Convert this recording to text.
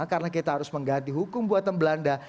karena kita harus mengganti hukum buatan belanda